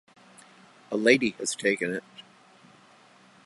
A lady has taken it.